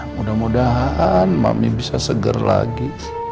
mudah mudahan makmi bisa seger lagi